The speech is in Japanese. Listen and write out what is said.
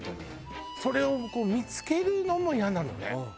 それをこう見付けるのもイヤなのね。